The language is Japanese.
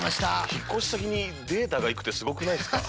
引っ越し先にデータがいくってすごくないですか？